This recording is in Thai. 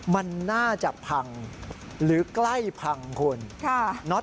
มันน่าจะพังหรือใกล้พังคุณ